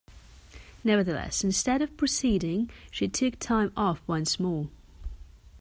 Nevertheless, instead of proceeding she took time off once more.